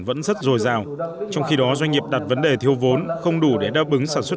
vẫn rất dồi dào trong khi đó doanh nghiệp đặt vấn đề thiếu vốn không đủ để đáp ứng sản xuất